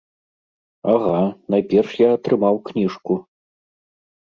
Ага, найперш я атрымаў кніжку.